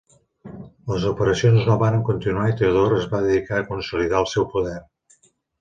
Les operacions no varen continuar i Teodor es va dedicar a consolidar el seu poder.